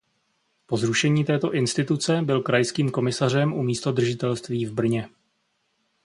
Po zrušení této instituce byl krajským komisařem u místodržitelství v Brně.